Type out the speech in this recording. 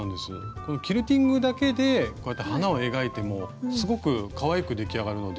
このキルティングだけでこうやって花を描いてもすごくかわいく出来上がるので。